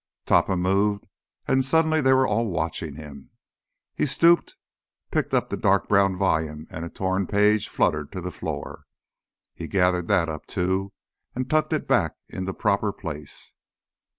Topham moved and suddenly they were all watching him. He stooped, picked up the dark brown volume, and a torn page fluttered to the floor. He gathered that up, too, and tucked it back in the proper place.